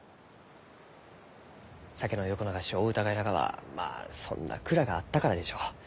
酒の横流しをお疑いながはまあそんな蔵があったからでしょう。